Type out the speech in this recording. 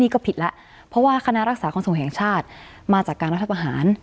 ก็ผิดแล้วเพราะว่าคณะรักษาความสูงแห่งชาติมาจากการรัฐประหาร